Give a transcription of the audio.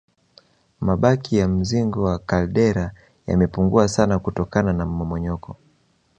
Mabaki ya mzingo wa kaldera yamepungua sana kutokana na mmomonyoko